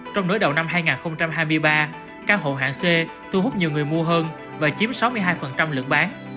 trong nửa đầu năm hai nghìn hai mươi ba căn hộ hạng c thu hút nhiều người mua hơn và chiếm sáu mươi hai lượng bán